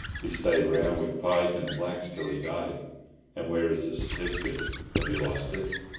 He stayed round wid Pike and the blacks till he died." "And where is the certificate? Have you lost it?"